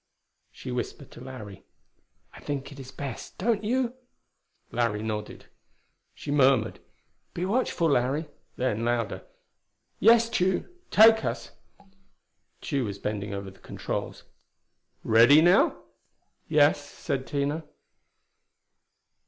She whispered to Larry, "I think it is best, don't you?" Larry nodded. She murmured, "Be watchful, Larry!" Then, louder: "Yes, Tugh. Take us." Tugh was bending over the controls. "Ready now?" "Yes," said Tina.